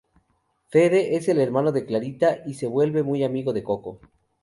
Fede: Es el hermano de Clarita y se vuelve muy amigo de Coco.